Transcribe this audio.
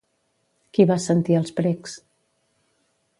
Qui va sentir els precs?